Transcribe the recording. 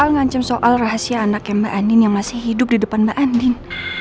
mengancam soal rahasia anaknya mbak andin yang masih hidup di depan mbak andin